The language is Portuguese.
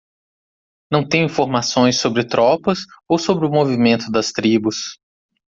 Não tenho informações sobre tropas ou sobre o movimento das tribos.